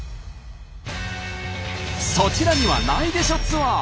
そちらにはないでしょツアー。